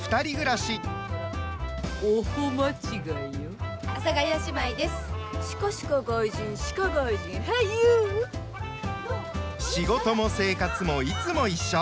仕事も生活もいつも一緒。